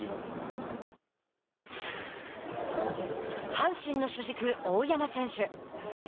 阪神の主軸、大山選手。